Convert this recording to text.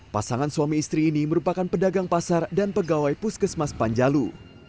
pasangan suami istri ini merupakan pedagang pasar dan pegawai puskesmas panjalu